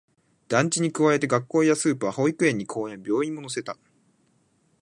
団地に加えて、学校やスーパー、保育園に公園、病院も乗せた